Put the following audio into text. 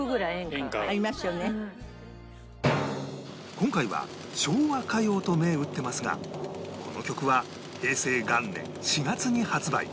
今回は昭和歌謡と銘打ってますがこの曲は平成元年４月に発売